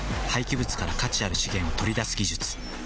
廃棄物から価値ある資源を取り出す技術